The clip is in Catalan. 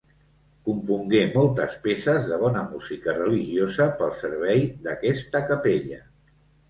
Compongué moltes peces de bona música religiosa pel servei d'aquesta capella.